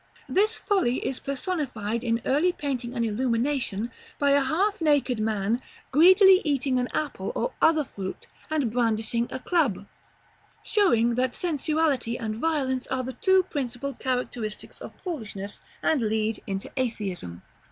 This folly is personified, in early painting and illumination, by a half naked man, greedily eating an apple or other fruit, and brandishing a club; showing that sensuality and violence are the two principal characteristics of Foolishness, and lead into atheism.